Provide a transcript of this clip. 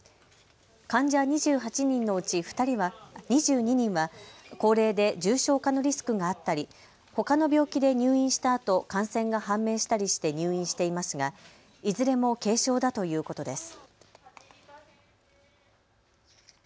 患者２８人のうち２２人は高齢で重症化のリスクがあったりほかの病気で入院したあと感染が判明したりして入院していますがいずれも軽症だということです。